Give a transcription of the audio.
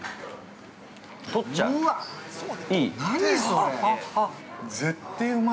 取っちゃう、いい？